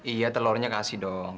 iya telurnya kasih dong